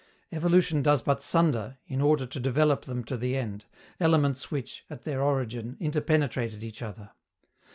Evolution does but sunder, in order to develop them to the end, elements which, at their origin, interpenetrated each other.